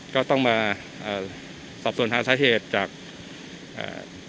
ก็ต้องมาเอ่อสอบส่วนหาสาเหตุจากอ่า